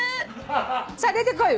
さあ出てこい。